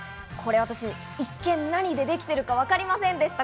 私、一見何でできてるかわかりませんでした。